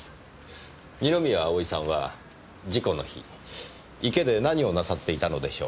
二宮葵さんは事故の日池で何をなさっていたのでしょう。